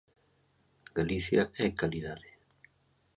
Galicia é calidade.